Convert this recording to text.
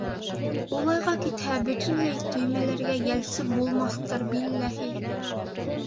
Улайға китһә, бөтөнләй төймәләргә йәлсеп булмаҫтыр, билләһи.